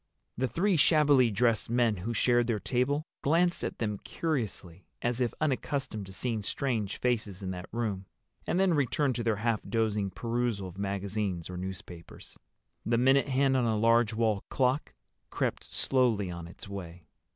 The three shabbily dressed men who shared their table glanced at them curiously, as if unaccustomed to seeing strange faces in that room, and then returned to their half dozing perusal of magazines or newspapers. The minute hand on a large wall clock crept slowly on its way.